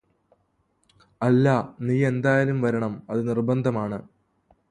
അല്ലാ നീയെന്തായാലും വരണം അത് നിർബന്ധമാണ്